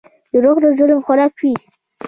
• دروغ د ظلم خوراک وي.